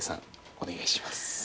お願いします。